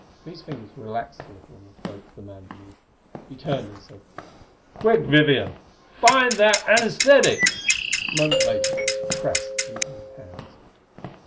Clee's fingers relaxed a little on the throat of the man beneath him. He turned and said: "Quick, Vivian find that anaesthetic!" A moment later it was pressed in his hands.